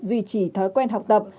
duy trì thói quen học tập